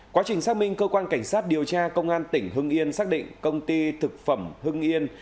quá trình xác minh cơ quan cảnh sát điều tra công an tỉnh hưng yên xác định công ty thực phẩm hưng yên